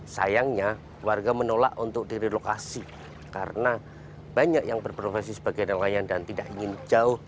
sayangnya warga menolak untuk direlokasi karena banyak yang berprofesi sebagai nelayan dan tidak ingin jauh